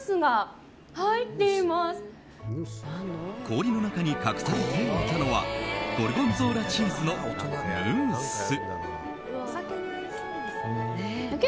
氷の中に隠されていたのはゴルゴンゾーラチーズのムース。